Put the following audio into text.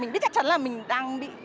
mình biết chắc chắn là mình đang bị